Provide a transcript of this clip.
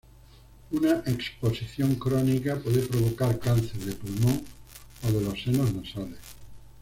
Una exposición crónica puede provocar cáncer de pulmón o de los senos nasales.